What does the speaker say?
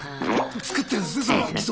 作ってるんですね